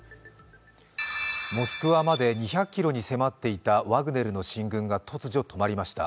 モスクワまで２００ｋｍまで迫っていたワグネルの進軍が突如止まりました。